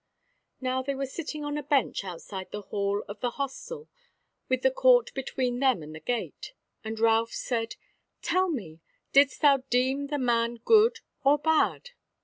Now they were sitting on a bench outside the hall of the hostel, with the court between them and the gate; and Ralph said: "Tell me, didst thou deem the man good or bad?"